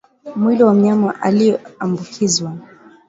mwili wa mnyama aliyeambukizwa